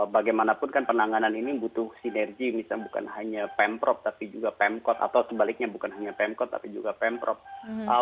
bagaimanapun kan penanganan ini butuh sinergi misalnya bukan hanya pemprov tapi juga pemkot atau sebaliknya bukan hanya pemkot tapi juga pemprov